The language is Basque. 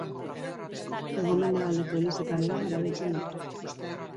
Hego-mendebaldeko elizetan ere erabiltzen dute.